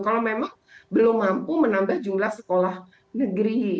kalau memang belum mampu menambah jumlah sekolah negeri